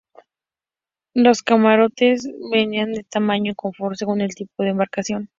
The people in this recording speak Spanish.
Los camarotes varían de tamaño y confort según el tipo de embarcación.